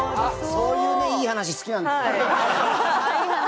そういうねいい話好きなんですよ。